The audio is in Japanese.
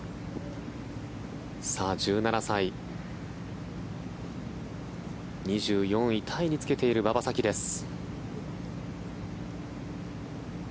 １７歳、２４位タイにつけている馬場咲希です。